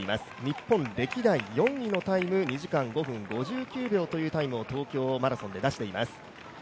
日本歴代４位のタイム、２時間５分５９秒というタイムを東京マラソンで出しています。